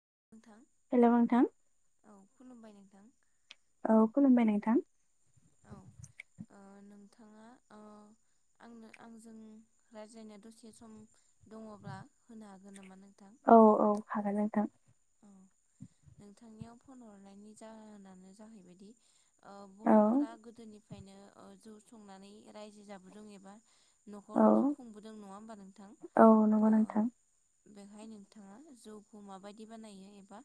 [unintelligible] Hello नोंथां औ खुलुमबाय नोंथां। औ खुलुमबाय नोंथां। औ नोंथाङा अ आंनो आंजों रायज्लायनाय दसे सम दङब्ला होनो हागोन नामा नों? औ औ हागोन नोंथां। औ नोंथांनियाव फन हरनायनि जाहोनानो जाहैबायदि औ बर'फोरा गोदोनिफ्रायनो जौ संनानै रायजो जाबोदों एबा औ न'खर खुंबोदों नङा होमबा नोंथां? औ नंगौ नोंथां बेवहाय नोंथाङा जौखौ माबायदि बानायो एबा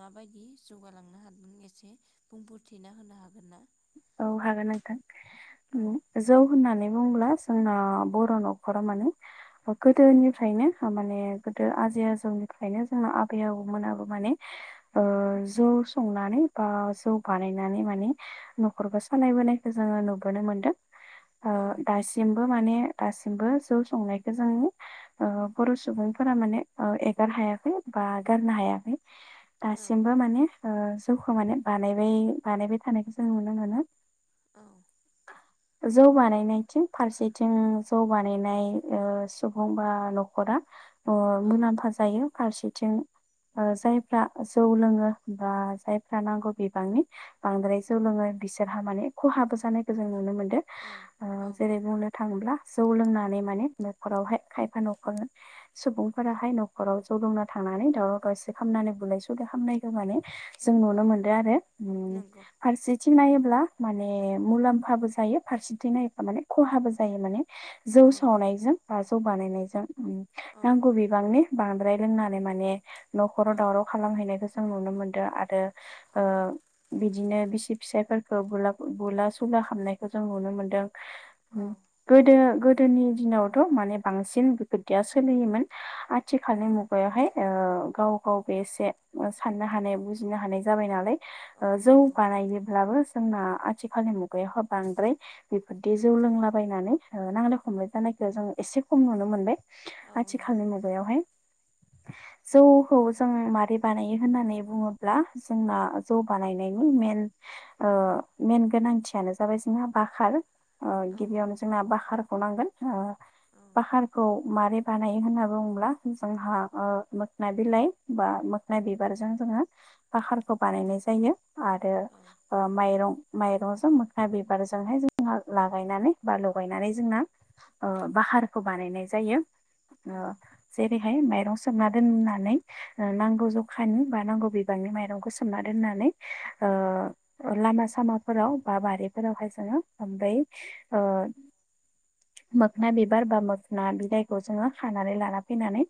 माबायदि जौगालांनो हागोन एसे बुंफोरथिना होनो हागोन ना? औ हागोन नोंथां औ जौ होननानै बुंब्ला जोंना बर' न'खरा माने गोदोनिफ्रायनो माने गोदो आजै आजौनिफ्रायनो जोंना आबै आबौमोनाबो माने जौ संनानै बा जौ बानायनानै माने नखर सालायबोनायखौ जोङो नुबोनो मोनदों ओ दासिमबो माने दासिमबो जौ संनायखो जों ओ बर' सुबुंफोरा माने ओ एगार हाया। [unintelligible] बा गारनो हायाखै। औ औ दासिमबो माने ओ जौखौ माने बानायबाय बानायबाय थानायखौ जों नुनो मोनो [unintelligible] जौ बानायनायथिं फारसेथिं जौ बानायनाय ओ सुबुं बा न'खरा [unintelligible] ओ औ मुलाम्फा जायो फारसेथिं ओ जायफ्रा जौ लोङो बा जायफ्रा नांगौ बिबांनि बांद्राय जौ लोङो बिसोरहा माने खहाबो जानायखौ जों नुनो मोनदों औ औ ओ जेरै बुंनो थाङोब्ला जौ लोंनानै माने न'खरावहाय खायफा न'खर सुबुंफोराहाय न'खराव जौ लोंना थां नानै दावराव दावसि खामनानै बुलाय सुलाय खामनायखो माने जों औ नुनो मोनदों आरो उम्म नंगौ फारसे थिं नायोब्ला माने मुलाम्फाबो जायो फारसेथिं नायोबा माने खहाबो जायो माने। जौ औ सावनायजों बा जौ बानायनायजों औ नांगौ बिबांनि बांद्राय लोंनानै माने न'खराव दावराव खालामहैनायखौ जों नुनो मोनदो आरो ओ बिदिनो फिसायफोरखौबुला बुला सुला खामनायखौ जों नुनो मोनदों औ गोदो गो दोनि दिनावथ' माने बांसिन बिफोरदिया सोलियोमोन औ आथिखालनि मुगायावहाय ओ गाव गावबो एसे साननो हानाय बुजिनो हानाय जाबाय नालाय औ ओ जौ नंगौ बानाय ब्लाबो जोंना आथिखालनि मुगायावहाय बांद्राय बेफोरदि जौ लोंलाबायनानै ओ नांलाय खम लाय जानायखो जों एसे खम नुनो मोनबाय औ नंगौ आथिखालनि मुगायावहाय। [unintelligible] जौखौ जों मारै बानायो होननानै बुङोब्ला जोंना जौ बानायनायनि मेन ओ मेन गोनांथियानो जाबाय जोंहा बाखार ओ औ औ गिबियावनो जोंना बाखार [unintelligible] नांगोन ओ औ बाखारखौ मारै बानायो होनना बुङोब्ला जोंहा ओ मोखना बिलाइ बा मोखना बिबारजों जोङो बाखारखौ बानायनाय जायो आरो औ औ ओ माइरं माइरंजों मोखना बिबारजोंहाय जोंहा लागायनानै बा लगायनानै जोङो मा ओ बाखारखौ बानायनाय जायो। ओ जेरैहाय माइरं सोमना दोननानै ओ नांगौ जखानि बा नांगौ बिबा [unintelligible] मायरंखौ सोमना दोननानै ओ लामा सामाफोराव बा बारिफोरावहाय जोङो बै ओ मोखना बिबार बा मोखना बिलाइखौ जोङो खानानै लाना फैनानै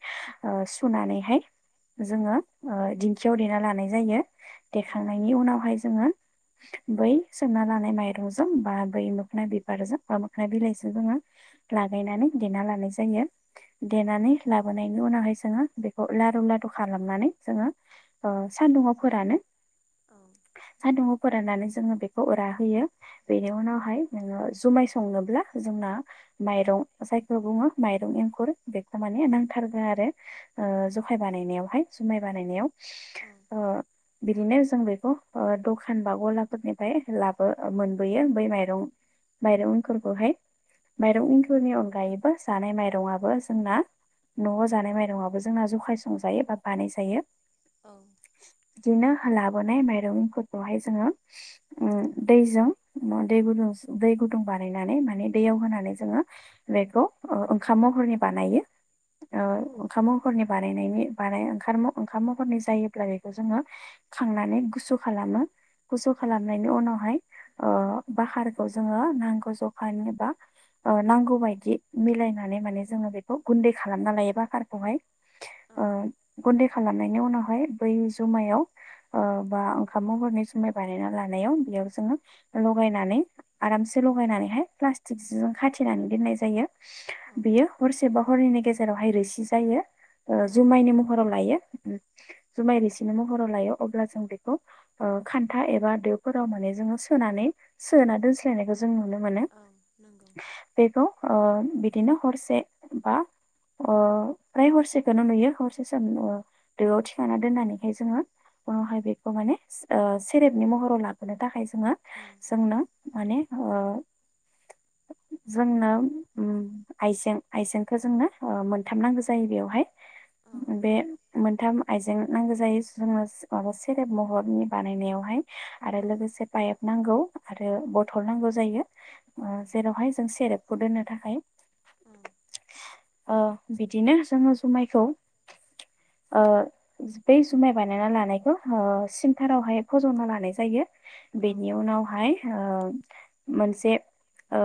ओ सुनानै नैहाय जोङो ओ दिंखियाव देना लानाय जायो। औ देखांनायनि उनावहाय जोङो [unintelligible] बै सोमना लानाय माइरंजों बा बै मोखना बिबारजों बा मोखना बिलाइजों जोंङो लागायनानै देना लानाय जायो देनानै औ लाबोनायनि उनावहाय जोङो बेखौ लारु लारु खालामनानै जोङो ओ सान्दुुंङाव फोरानो। औ सान्दुंङाव फोराननानै जोङो बेखौ रा होयो बेनि उनावहाय नोङो जुमाय संनोब्ला जों [unintelligible] माइरं जायखौ बुङो माइरं एंखुर बेखो औ माने औ नंगौ औ नांथारगो आरो ओ जखाय बानायनायावहाय जुमाय बानायनायाव ओ बिदिनो जों बेखौ ओ दखान बा गलाफोरनिफ्राय लाबो मोनबोयो बै माइरं माइरं एंखुरखौहाय माइरं एंखुरनि अनगायैबो जानाय माइरंआबो जोंना न'आव जानाय माइरंआबो जोंना जखाय संजायो बा बानायजायो। औ। बिदिनो लाबोनाय माइरं फोरखौहाय जोङो ओ दैजों दै गुदुं दै गुदुं बानायनानै माने दैयाव होनानै जोङो बेखौ ओ ओंखाम महरनि बानायो ओ ओंखाम महरनि बानायनायनि बानाय ओंखार ओंखाम महरनि जायोब्ला बेखौ जोङो खांनानै गुसु खालामो गुसु खालामनायनि उनावहाय ओ बाखारखौ जोङो नांगौ जखानि बा ओ नांगौ बायदि मिलाय नायनानै माने जोङो बेखौ गुन्दै खालामना लायो बाकारखौहाय ओ गुन्दै खालामनायनि उनावहाय बै जुमायाव ओ बा हा महरनि जुमाय बानायना लानायाव बेयाव जोङो लगायनानै आरामसे लगायनानैहाय फासथखजों खाथिनानै दोननाय जायो बेयो हरसे बा हरनैनि गेजेरावहाय रोसि जायो ओ जुमायनि महराव लायो जुमाय रिसिनि महराव लायो अब्ला जों बेखौ ओ खान्था एबा दोउफोराव माने जोङो सोनानै सोना दोनस्लायनायखौ जों नुनोमोनो बेखौ ओ बिदिनो हरसे बा ओ फ्राय हरसेखौनो नुयो हरसे सम ओ दोआव थिखोना दोननानैहाय जोङो उनावहाय बे खौ माने ओ सेरेबनि महराव लाबोनो थाखाय जोङो जोंनो माने [inaudible] जोंनो उम आइजें आइजेंखौ जोंनो मोनथाम नांगौ जायो बेवहाय बे मोनथाम आइजें नांगो जायो सेरेब महरनि बानायनायावहाय आरो लोगोसे पाइप नांगौ आरो बथल नांगौ जायो ओ जेरावहाय जों सेरेप खौ दोननो थाखाय ओ बिदिनो जोङो जुमायखौ ओ बै जुमाय बानायना लानायखौ हो सिमटारावहाय फजना लानाय जायो बेनि उनावहाय ओ मोनसे ओ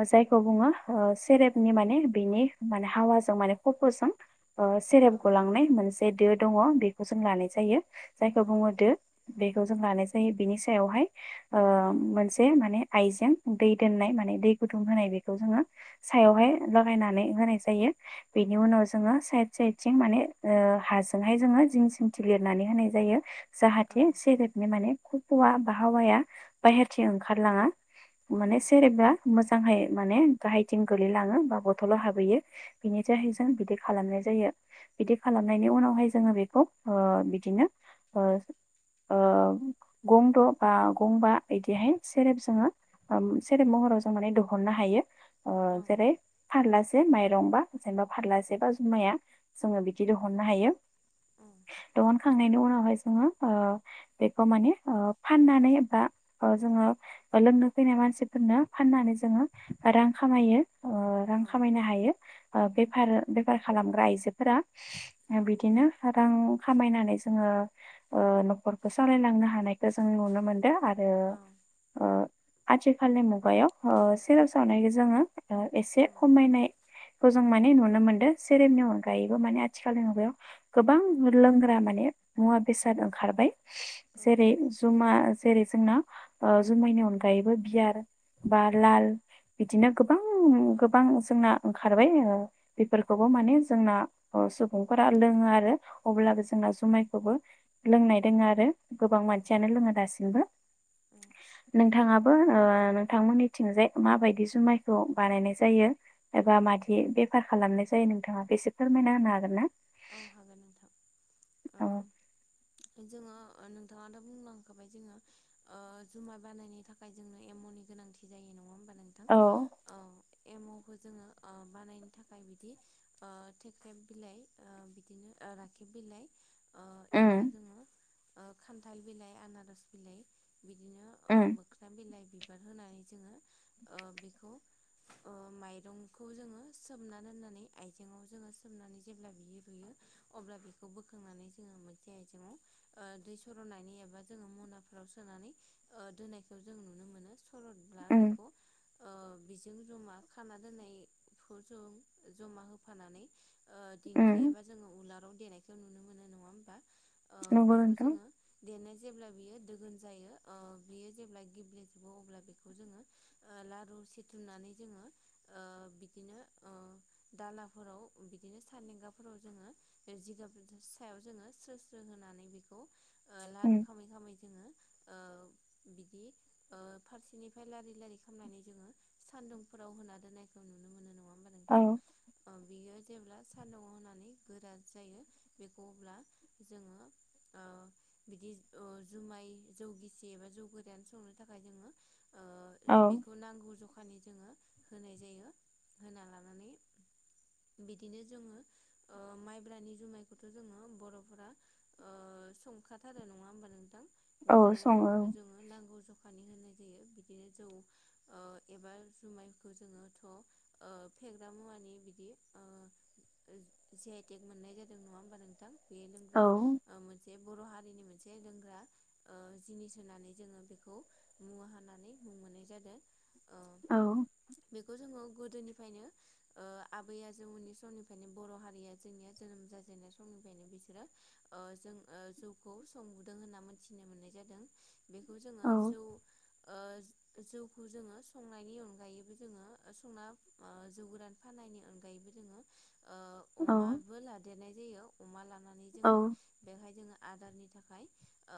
अ जायखौ बुङो ओ सेरेबनि माने बिनि माने हावाजों माने कफजों ओ सेरेप गलांनाय मोनसे दो दङ बेखौ जों लानाय जायो जायखौ बुङो दो बेखौ जों लानाय जायो बिनि सायावहाय ओ मोनसे माने आइजें दै दोननाय माने दै गुदुं होनाय बेखौ जोङो बेनि उनाव जोङो साइद साइद थिं माने ओ हाजोंहाय जिं जिंथिं लिरनानै होनाय जायो जाहाथे सेरेप माने कपआ बाहावाया बायाहेरथिं ओंखारलाङा माने सेरेबा मोजांहै माने गाहायथिं गोलैलाङो बा बथलाव हाबहैयो हो बिनि जाहाय जों बिदि खालामनाय हो जायो बिदि बिदिनो ओ ओ गंद बा गंबा इदिहाय सेरेब जोङो ओम सेरेब महराव जों माने दहुननो हायो ओ जेरै फारलासे माइरं बा जेनेबा फारलासे बा जुमाया जोङो बिदि दहुननो हायो दहन खांनायनि उनावहाय जोङो ओ हो बेखौ माने ओ फाननानै बा ओ जोङो लोंनो फैनाय मानसिफोरनो फाननानै जोङो रां खामायो ओ रां खामायनो हायो ओ बेफार बेफार खालामग्रा आइजोफोरा औ बिदिनो रां खामायनानै जोङो ओ नखरखौ सालायलांनो हायो नायखो जों नुनो मोनदों आरो औ औ ओ आथिखालनि मुगायाव ओ सेरप सावनायखौ जोङो ओ एसे औ खमायनाय खौ जों माने नुनो मोनदो सेरेमनि अनगायैबो माने आथिखालनि मुगायाव गोबां लोंग्रा माने मुवा बेसाद ओंखारबाय जेरै जुमा जेरै जोंना ओ जुमायनि अन गायबो बियार बा लाल बिदिनो गोबां गोबां जोंना ओंखारबाय ओ बेफोरखौबो माने जोंना ओ सुबुंफोरा लोङा आरो अबलाबो जोंना खौबो लोंनाय दोङो आरो गोबां मानसियानो लोङा दासिमबो नोंथाङाबो ओ नोंथांमोन एबा मादि बेफार खालामनाय जायो नोंथाङा बेसे फोरमायना होनो हागोन ना औ हागोन नोंथां औ ओ जोङो नोंथाङा दा बुंलांखाबाय जोङो जुमाय बानायनायनि थाखाय जोङो एम नि गोनांथि जायो नङा होमबा नोंथां? औ औ। एमावखौ जोङो बानायनो थाखाय बिदि थेख्रेब बिलाइ ओ बिदिनो ओ राखेब बिलाइ एबा उम जोङो ओ खान्थाल बिलाइ आनारस बिलाइ बिदिनो ओ उम मोखना बिलाइ बिबार होनानै जोङो ओ बेखौ ओ माइरंखौ जोङो सोमनानै दोननानै आयजेंआव जोङो सोमनानै जेब्ला बेयो रुयो अब्ला बेखौ बोखांनानै जोङो मोनसे आयजेंआव ओ दै सर'नानै एबा जोङो मनाफोराव सोनानै ओ दोननायखौ जों नुनो मोनो सरदब्ला उम बेखौ ओ बेजों जमा खाना दोननायखौ जों जमा होफानानै ओ दिंखि उम एबा जोङो उलाराव देनायखौ नुनो मोननाय नङा? ओ नंगौ बेखौ नोंथां जोङो देनाय जायो। जेब्ला बियो दोगोन जायो ओ बेयो जेब्ला गेब्लेजोबो अब्ला बेखौ जोङो लारु सिथुमनानै जोङो ओ बिदिनो ओ दालाफोराव बिदिनो सान्दिंगा फोराव जोङो बे जिगाब सायाव जों स्रो स्रो होनानै बे लारु उम खालामै खालामै जोङो बिदि फारसेनिफ्राय लारि लारि खालामनानै जोङो सान्दुंफोराव होना दोन्नायखौ नुनो मोनो नङा होमबा औ नोंथां? ओ बियो जेब्ला सान्दुंआव होना नै गोरान जायो बेखौ अब्ला जोङो ओ बिदि ओ जुमाय जौ गिसि एबा जौ गोरान संनो थाखाय जोङो ओ औ बेखौ नांगौ जखा नि जोङो होनाय जायो होना लानानै बिदिनो जोङो ओ माइब्रानि जुमायखौथ' जोङो बर'फोरा ओ संखाथारो नङा होमबा नोंथां? औ बिदिनो सङो जोङो नांगौ जखानि होनाय जायो। बिदिनो जौ ओ एबा जुमायखौ जोङोथ' ओ फेग्रा मुवानि बिदि ओ ओ जि आइ थेग मोननाय जादों नङा होमबा नोंथां? बेयो औ लोंग्रा ओ मोनसे बर' हारिनि मोनसे लोंग्रा ओ जिनिस होननानै जोङो बेखौ मुवा होननानै मोननाय जादों। ओ औ बेखौ जोङो गोदोनिफ्रायनो ओ आबै आजौमोननि समनिफ्राय माने बर' हारिया जोंनिया जोनोम जाजेननाय समनिफ्रायनो बिसोरो ओ जों ओ जौखौ संदों होनना मोनथिनो मोननाय जादों। बेखौ जोङो औ जौ ओ जौखौ जोङो संनायनि अनगायैबो जोङो संना ओ जौ गोरान फाननायनि अनगायै बो जोङो ओ औ अमाबो लादेरनाय जायो। अमा लानानै औ जोङो बेवहाय जोङो आदारनि थाखाय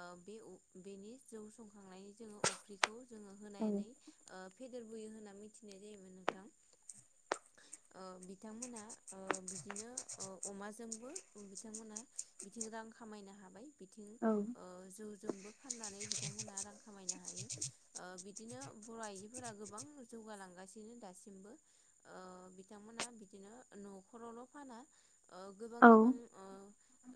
ओ बे बेनि जौ संनायनि जोङो अफ्रिखौ जों औ होनानै ओ फे देरबोयो होनना मिथिनाय जायोमोन नोंथां। ओ बिथांमोना ओ बिदिनो ओ अमाजोंबो बिथांमोनहा बिथिं रां खामायनो हाबाय। बिथिं औ ओ जौजोंबो फाननानै बिथांमोना रां खामायनो हायो। ओ बिदिनो बर' आइजोफोरा गोबां जौगालांगासिनो दा सिमबो ओ बिथांमोना बिदिनो न'खरावल' फाना ओ गोबां औ गोबां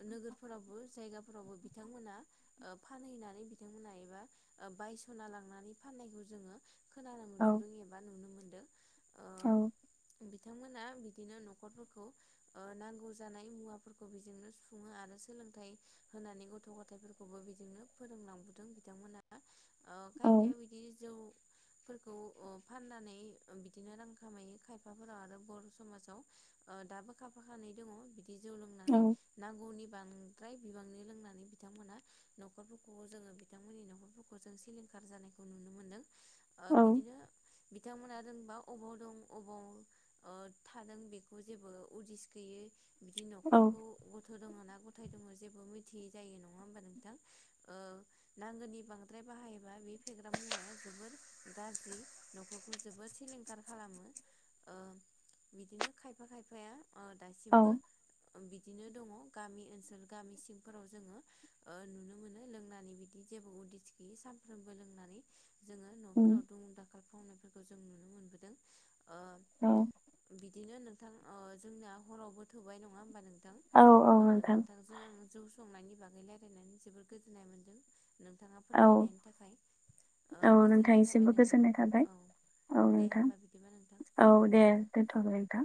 नोगोरफोरावबो जायगा फोरावबो बिथांमोना ओ फानहैनानै बिथांमोना एबा ओ बायस'ना लांनानै फाननायखौ जोङो खोनानो मोनबोदों एबा नुनो मोनदों। ओ औ। बिथांमोना बिदिनो न'खरफोरखौ ओ नांगौ जानाय मुवाफोरखौ बिजोंनो सुफुङो आरो सोलोंथाइ होनानै गथ' गथायाइफोरखौबो बिदिनो फोरोंलांबोदों बिथांमोनहा अ औ खायफाया बिदि जौ फोरखौ ओ फाननानै बिदिनो रां खामायो। खायफाफोरा आरो बर' समाजाव ओ दाबो खाफा खानै दङ बिदि जौ लोंनानै औ नांगौनि बांद्राय बिबांनि लोंनानै बिथांमोना न'खरफोरखौ जोङो बिथांमोननि न'खरफोरखौ जों सिलिं खार जानायखौ नुनो मोन्दों। औ बिदिनो बिथांमोना रोंबा अबाव दं अबाव ओ थादों बेखौ जेबो उदिस गैयै बिदि औ औ न'खरखौ गथ' दङ ना गथाय दङ जेबो मिथियै जायो नङा होमबा नोंथां ओ नांगौनि बांद्राय बाहायोबा बे फेग्रा मु वाया जोबोर गाज्रि न'खरखौ जोबोर सिलिंखार खालामो ओ बिदिनो खायफा खायफाया दासिमबो बिदिनो दङ गामि ओनसोल गामि सिंफोराव जोङो ओ नुनो मोनो लोंनानै बिदि जेबो उदिस गैयि सानफ्रोमबो लोंनानै जोङो उम न'फोराव दुं दाखाल खालामनायफोरखौ जों नुनो मोनबोदों। ओ औ बिदिनो नोंथां ओ जोंना हरावबो थौबाय नङा होमबा नों औ औ थां नोंथां नोंथांजों आं जौ संनायनि बागै रायलायनानै जोबोर गोजोननाय मोनदों। नोंथाङा औ फोरमायनायनि थाखाय ओ औ गोजोननाय थाबाय नोंथांनिसिमबो नोंथां गोजोननाय थाबाय औ औ दे नोंथां होनबा बिदिबा नोंथां औ दे। दोनथ'बाय नोंथां।